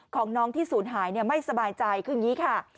ของน้องที่ศูนย์หายไม่สบายใจคืออย่างนี้ค่ะ